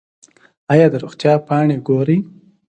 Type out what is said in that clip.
ایا د روغتیا پاڼې ګورئ؟